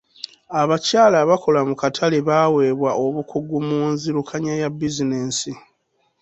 Abakyala abakola mu katale baaweebwa obukugu mu nzirukanya ya bizinensi.